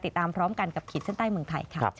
ติดตามพร้อมกันกับขีดเส้นใต้เมืองไทยค่ะ